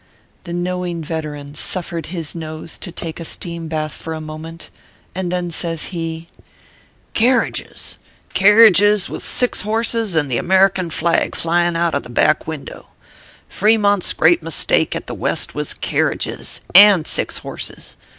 The knowing veteran suffered his nose to take a steam bath for a moment, and then says he : 250 ORPHEUS C. KERR PAPERS. " Kerridges ! Kerridges with six horses and the American flag flying out of the back window. Fre mont s great mistake at the West was kerridges and six horses.